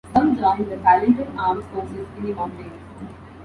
Some joined the Falintil armed forces in the mountains.